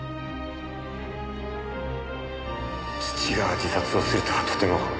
父が自殺をするとはとても。